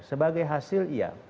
sebagai hasil iya